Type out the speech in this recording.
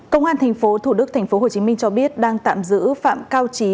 công an tp thủ đức tp hcm cho biết đang tạm giữ phạm cao trí